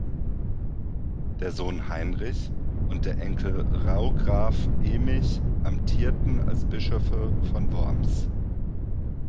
Der Sohn Heinrich und der Enkel Raugraf Emich amtierten als Bischöfe von Worms.